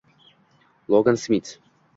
Logan Smit